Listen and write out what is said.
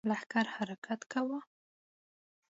لښکر حرکت کوو.